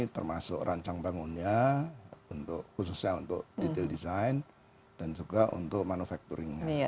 termasuk rancang bangunnya khususnya untuk detail design dan juga untuk manufacturing nya